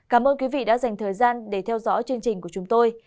cảm ơn quý vị đã dành thời gian để theo dõi chương trình của chúng tôi